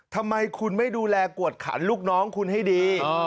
ทำไมคุณไม่ดูแลกวดขันลูกน้องคุณให้ดี